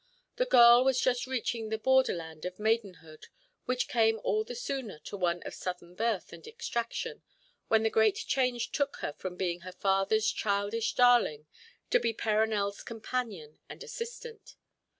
The girl was just reaching the borderland of maidenhood, which came all the sooner to one of southern birth and extraction, when the great change took her from being her father's childish darling to be Perronel's companion and assistant.